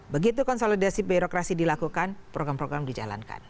begitu konsolidasi birokrasi dilakukan program program dijalankan